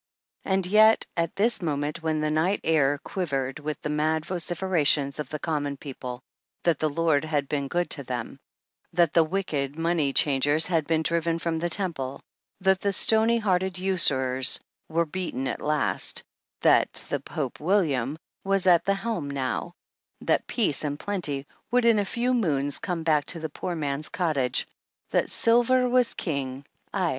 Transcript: And yet, at this moment when the night air quiv ered with the mad vociferations of the "common people," that the Lord had been good to them ; that the wicked money changers had been driven from the temple, that the stony hearted usurers were beaten at last, that the " People's William " was at the helm now, that peace and plenty would in a few moons come back to the poor man's cottage, that Silver was King, aye.